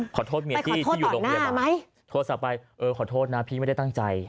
ขอโทษเมียพี่ที่อยู่โรงเรียนโทรศัพท์ไปเออขอโทษนะพี่ไม่ได้ตั้งใจ